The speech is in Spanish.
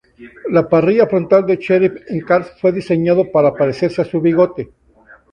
La parrilla frontal de Sheriff en "'Cars" fue diseñado para parecerse a su bigote.